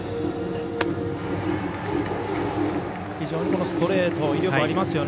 非常にストレート威力がありますよね。